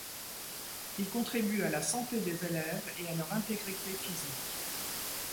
Il contribue à la santé des élèves et à leur intégrité physique.